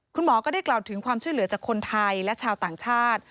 คุณหมอก็ได้กล่าวถึงความช่วยเหลือจากคนไทยและชาวต่างชาติ